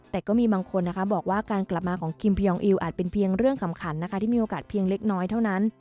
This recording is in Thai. แต่ก็มีบางคนนะคะบอกว่าการกลับมาของคิมพยองอิวอาจเป็นเพียงเรื่องสำคัญนะคะที่มีโอกาสเพียงเล็กน้อยเท่านั้น